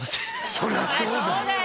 そりゃそうだよ